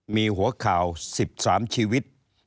มีหัวข่าวสิบสามช่วยชีวิต